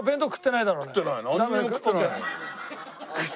なんにも食ってない。